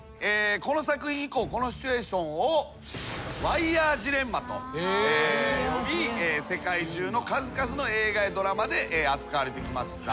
この作品以降このシチュエーションをワイヤージレンマと呼び世界中の数々の映画やドラマで扱われてきました。